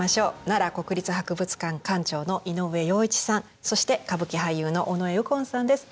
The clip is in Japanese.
奈良国立博物館館長の井上洋一さんそして歌舞伎俳優の尾上右近さんです。